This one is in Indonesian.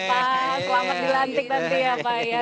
pak selamat dilantik nanti ya pak ya